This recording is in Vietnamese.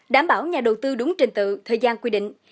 đảm bảo nhà đầu tư đúng trình tự thời gian quy định